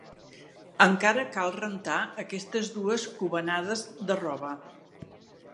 Encara cal rentar aquestes dues covenades de roba.